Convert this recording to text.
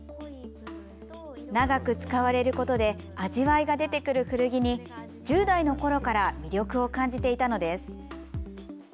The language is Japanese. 長く使われることで味わいが出てくる古着に１０代のころから魅力を感じていたのです。